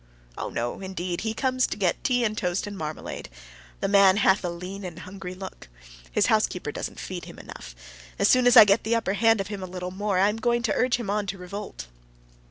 Oh, no, indeed; he comes to get tea and toast and marmalade. The man hath a lean and hungry look. His housekeeper doesn't feed him enough. As soon as I get the upper hand of him a little more, I am going to urge him on to revolt.